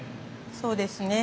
そうですね。